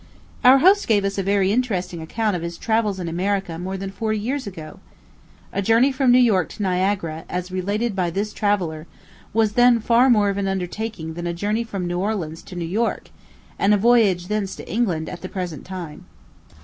Our host gave us a very interesting account of his travels in America more than forty years ago. A journey from New York to Niagara, as related by this traveller, was then far more of an undertaking than a journey from New Orleans to New York, and a voyage thence to England, at the present time.